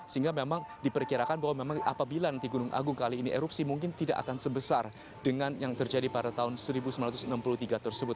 sehingga memang diperkirakan bahwa memang apabila nanti gunung agung kali ini erupsi mungkin tidak akan sebesar dengan yang terjadi pada tahun seribu sembilan ratus enam puluh tiga tersebut